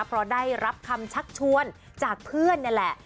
เพราะได้รับคำชักชวนจากเพื่อนนี่แหละ